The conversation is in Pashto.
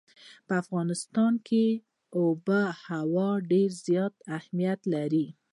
په افغانستان کې آب وهوا ډېر زیات اهمیت لري.